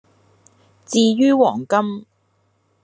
至於黃金